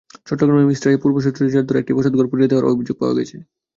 চট্টগ্রামের মিরসরাইয়ে পূর্বশত্রুতার জের ধরে একটি বসতঘর পুড়িয়ে দেওয়ার অভিযোগ পাওয়া গেছে।